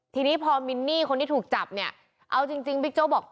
ทีนี้พอมินนี่คนที่ถูกจับเนี่ยเอาจริงบิ๊กโจ๊กบอก